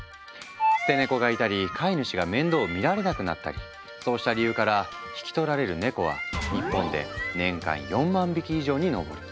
捨て猫がいたり飼い主が面倒を見られなくなったりそうした理由から引き取られるネコは日本で年間４万匹以上に上る。